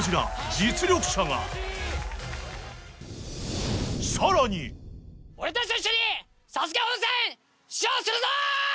実力者が更に俺達と一緒にＳＡＳＵＫＥ本戦出場するぞー！